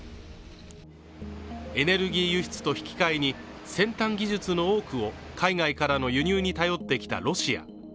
エネルギー輸出と引き換えに先端技術の多くを海外からの輸入に頼ってきたロシア。